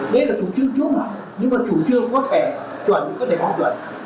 đây là chủ trương chung nhưng mà chủ trương có thể chuẩn có thể có chuẩn